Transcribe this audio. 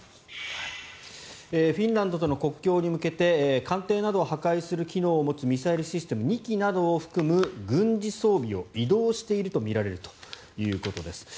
フィンランドとの国境に向けて艦艇などを破壊する機能を持つミサイルシステム２基などを含む軍事装備を移動しているとみられるということです。